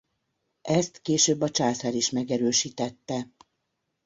Ezt később a császár is megerősítette.